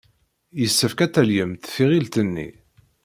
Yessefk ad talyem tiɣilt-nni.